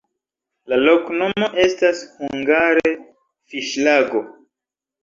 La loknomo estas hungare: fiŝlago.